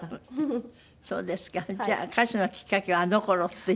じゃあ歌手のきっかけはあの頃っていう？